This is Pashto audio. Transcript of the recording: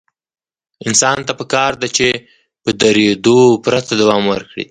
انسان ته پکار ده چې په درېدو پرته دوام ورکړي.